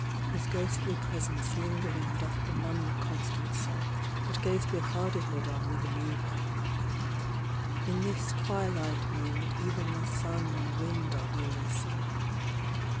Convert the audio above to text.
Whose ghostly presence lingering doth benumb The constant soul, that gazed with hardihood On living evil : in this twilight mood Even the sun and wind are wearisome.